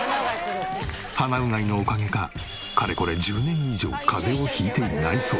鼻うがいのおかげかかれこれ１０年以上風邪を引いていないそう。